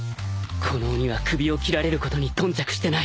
この鬼は首を斬られることに頓着してない